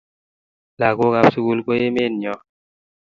Lakok ab sukul ko emet nyoo